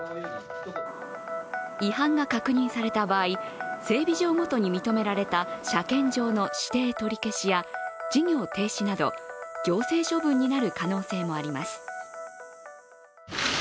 違反が確認された場合整備場ごとに認められた車検場の指定取り消しや事業停止など行政処分になる可能性があります。